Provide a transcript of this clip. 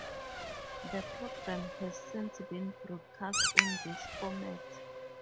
The program has since been broadcast in this format.